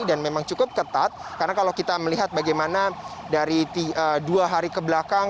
dan memang cukup ketat karena kalau kita melihat bagaimana dari dua hari ke belakang